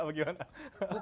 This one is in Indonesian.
bukan begitu juga